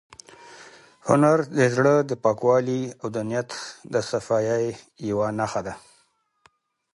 هنر د زړه د پاکوالي او د نیت د صفایۍ یوه نښه ده.